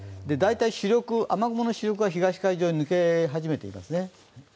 大体雨雲の主力が東海上に抜け始めていますね。